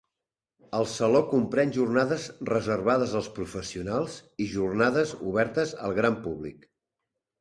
El saló comprèn jornades reservades als professionals i jornades obertes al gran públic.